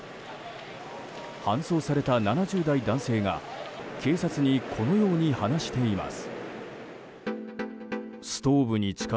搬送された７０代男性が警察にこのように話しています。